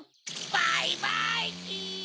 バイバイキン！